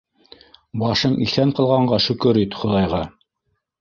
Башың иҫән ҡалғанға шөкөр ит Хоҙайға!